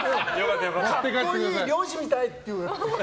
格好いい、猟師みたい！って。